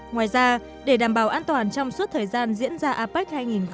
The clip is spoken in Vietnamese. ngoài ra để đảm bảo an toàn trong suốt thời gian diễn ra apec hai nghìn một mươi bảy